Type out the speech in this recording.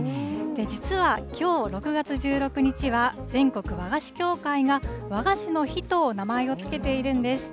実はきょう６月１６日は、全国和菓子協会が和菓子の日と名前を付けているんです。